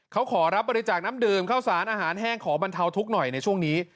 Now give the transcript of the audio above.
เขาขอรับบริจาคน้ำดื่มข้าวสารอาหารแห้งขอบรรเทาทุกข์หน่อยในช่วงนี้